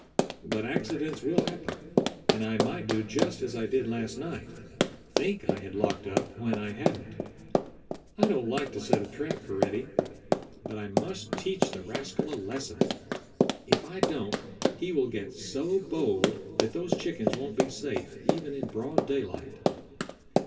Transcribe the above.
But accidents will happen, and I might do just as I did last night—think I had locked up when I hadn't. I don't like to set a trap for Reddy, but I must teach the rascal a lesson. If I don't, he will get so bold that those chickens won't be safe even in broad daylight."